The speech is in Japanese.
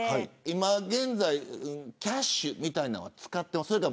今、現在キャッシュみたいなもの使ってますか。